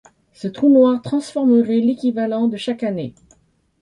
Ce trou noir transformerait l'équivalent de chaque année.